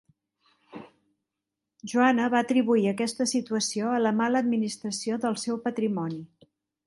Joana va atribuir aquesta situació a la mala administració del seu patrimoni.